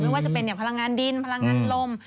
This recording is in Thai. ว่าจะเป็นพลังงานดินพลังงานลม